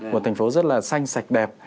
một thành phố rất là xanh sạch đẹp